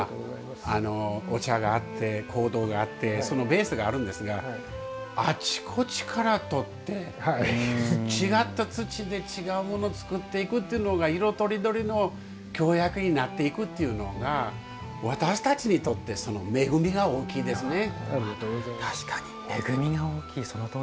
お茶があって、香炉があってそのベースがあるんですがあちこちからとって違った土で違ったものを作っていくっていうのが色とりどりの京焼になっていくっていうのが私たちにとって恵みが大きいですね。